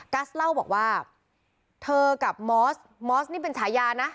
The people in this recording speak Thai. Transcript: ัสเล่าบอกว่าเธอกับมอสมอสนี่เป็นฉายานะ